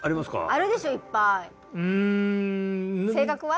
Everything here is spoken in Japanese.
あるでしょいっぱいうん性格は？